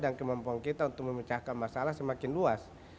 dan kemampuan kita untuk memecahkan masalah semakin luas